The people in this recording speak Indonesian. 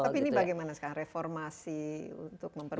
tapi ini bagaimana sekarang reformasi untuk memperbaiki